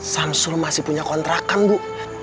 samsul masih punya kontrakan bu